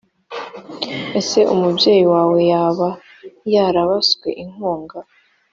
ese umubyeyi wawe yaba yarabaswe inkunga